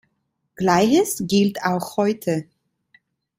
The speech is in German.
Gleiches gilt auch heute.